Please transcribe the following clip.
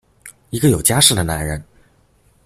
一个有家室的男人！